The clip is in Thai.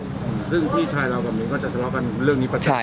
ซึ่งพี่ชายเราแบบนี้ก็จะสล็อกันเรื่องนี้ประจำ